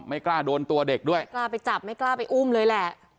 ไม่กล้าโดนตัวเด็กด้วยกล้าไปจับไม่กล้าไปอุ้มเลยแหละ